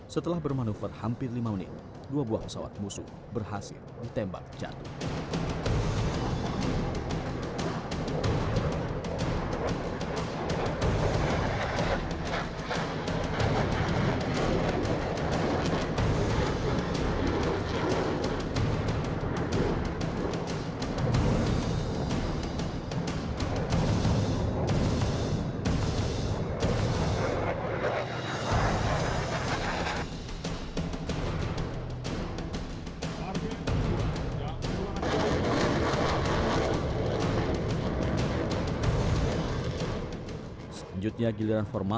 setelah bermanufa hampir lima menit dua buah pesawat musuh berhasil ditembak jatuh